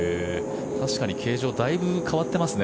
確かに形状だいぶ変わってますね。